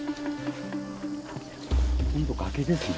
ほんと崖ですね。